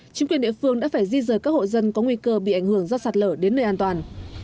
chính quyền địa phương đã phải di rời các hộ dân có nguy cơ bị ảnh hưởng do sạt lở đến nơi an toàn